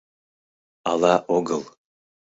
— Ала огыл.